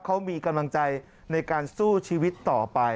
เขามีกำลังใจในการสู้ชีวิตต่อไป